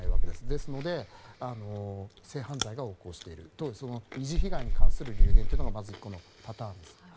ですので性犯罪が横行しているという二次被害に関する流言というのがまず１個のパターンです。